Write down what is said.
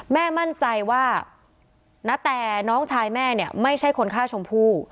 แม่มั่นใจว่าณแต่น้องชายแม่เนี่ยไม่ใช่คนฆ่าชมพู่